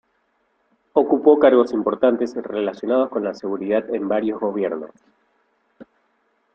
Ocupó cargos importantes relacionados con la seguridad en varios gobiernos.